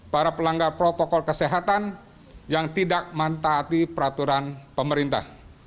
para pelanggar protokol kesehatan yang tidak mentaati peraturan pemerintah